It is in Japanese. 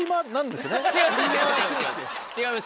違います